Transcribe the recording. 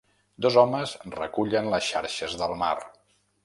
Dos homes recullen les xarxes del mar.